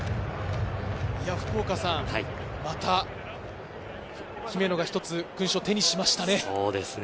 また姫野が１つ勲章を手にしましたね。